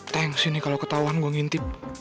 thanks ini kalau ketauan gue ngintip